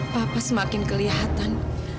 papa semakin kelihatan